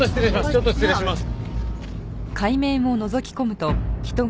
ちょっと失礼します。